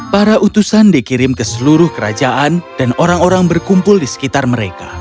para utusan dikirim ke seluruh kerajaan dan orang orang berkumpul di sekitar mereka